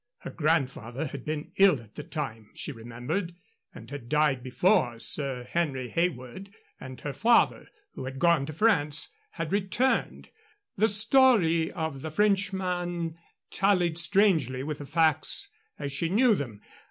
Her grandfather had been ill at the time, she remembered, and had died before Sir Henry Heywood and her father who had gone to France had returned. The story of the Frenchman tallied strangely with the facts as she knew them.